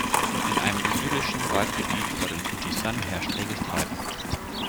In einem idyllischen Waldgebiet vor dem Fujisan herrscht reges Treiben.